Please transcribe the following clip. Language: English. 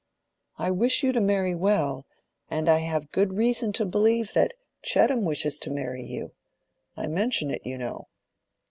I wish you to marry well; and I have good reason to believe that Chettam wishes to marry you. I mention it, you know."